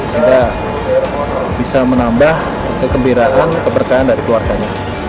sehingga bisa menambah kegembiraan keberkahan dari keluarganya